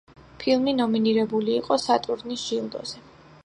ფილმი ნომინირებული იყო სატურნის ჯილდოზე.